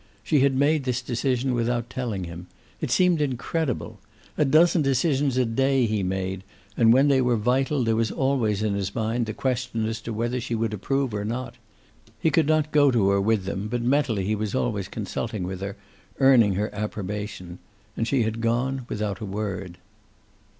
She had made this decision without telling him. It seemed incredible. A dozen decisions a day he made, and when they were vital there was always in his mind the question as to whether she would approve or not. He could not go to her with them, but mentally he was always consulting with her, earning her approbation. And she had gone without a word.